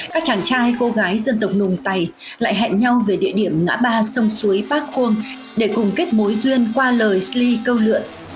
các chàng trai cô gái dân tộc nùng tày lại hẹn nhau về địa điểm ngã ba sông suối bác khuôn để cùng kết mối duyên qua lời sli câu lượn